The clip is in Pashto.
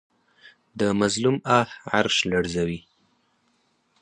د مظلوم آه عرش لرزوي